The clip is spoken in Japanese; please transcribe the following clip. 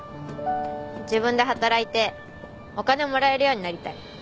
自分で働いてお金もらえるようになりたい。